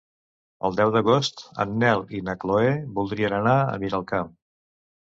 El deu d'agost en Nel i na Chloé voldrien anar a Miralcamp.